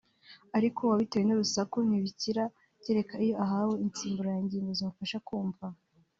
ariko uwabitewe n’urusaku ntibikira kereka iyo ahawe insimburangingo zimufasha kumva